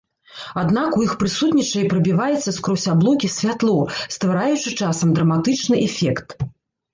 Аднак у іх прысутнічае і прабіваецца скрозь аблокі святло, ствараючы часам драматычны эфект.